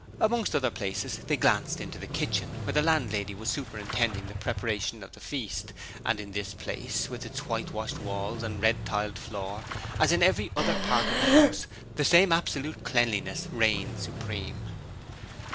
Amongst other places, they glanced into the kitchen, where the landlady was superintending the preparation of the feast, and in this place, with its whitewashed walls and red tiled floor, as in every other part of the house, the same absolute cleanliness reigned supreme.